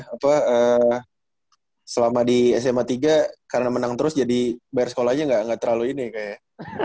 apa selama di sma tiga karena menang terus jadi bayar sekolahnya nggak terlalu ini kayak